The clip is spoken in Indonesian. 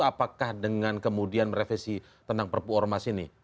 apakah dengan kemudian merevisi tentang perpu ormas ini